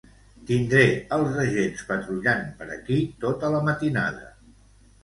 Tindré els Agents patrullant per aquí tota la matinada.